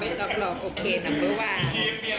ไม่ต้องหลอกโอเคนะบ๊วยบ่า